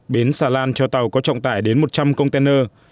bến xà lan cho tàu có trọng tải đến một trăm linh container